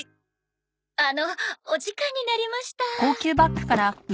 あのお時間になりました。